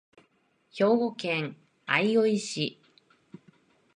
兵庫県相生市